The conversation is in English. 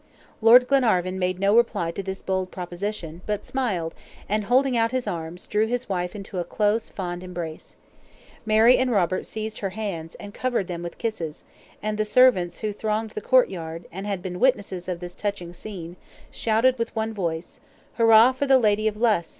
Lord Glenarvan made no reply to this bold proposition, but smiled, and, holding out his arms, drew his wife into a close, fond embrace. Mary and Robert seized her hands, and covered them with kisses; and the servants who thronged the courtyard, and had been witnesses of this touching scene, shouted with one voice, "Hurrah for the Lady of Luss.